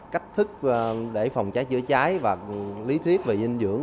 cách thức để phòng cháy chữa cháy và lý thuyết về dinh dưỡng